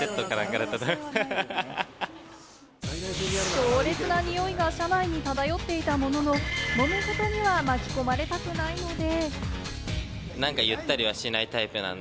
強烈なにおいが車内に漂っていたものの、もめ事には巻き込まれたくないので。